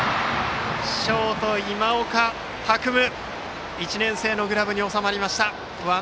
ショート、今岡拓夢１年生のグラブに収まりました。